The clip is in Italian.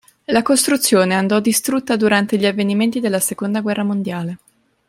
La costruzione andò distrutta durante gli avvenimenti della Seconda guerra mondiale.